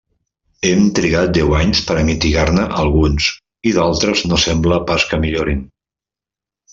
Hem trigat deu anys per a mitigar-ne alguns, i d'altres no sembla pas que millorin.